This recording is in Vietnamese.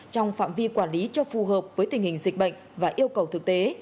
trong phạm vi quản lý cho phù hợp với tình hình dịch bệnh và yêu cầu thực tế